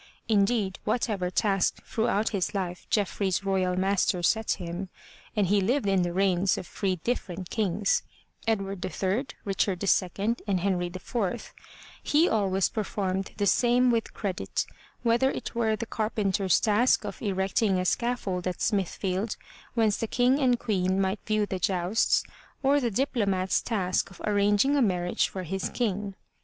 Indeed, whatever task throughout his life Geoffrey's royal masters set him, and he lived in the reigns of three different kings, Edward III, Richard II and Henry IV, he always performed the same with credit, whether it were the carpenter's task of erecting a scaffold at Smithfield whence the King and Queen might view the jousts, or the diplo mat's task of arranging a marriage for his King.